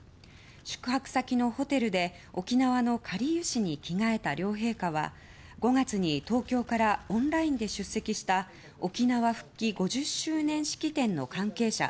宿泊先のホテルで沖縄のかりゆしに着替えた両陛下は５月に東京からオンラインで出席した沖縄復帰５０周年式典の関係者